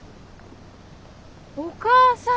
お母さん！